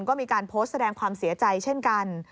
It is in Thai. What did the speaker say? ก็มีการโพสต์แสดงความเสียใจเช่นกัน